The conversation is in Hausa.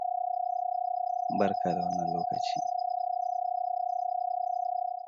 Filin mallakin Mr Ford ne.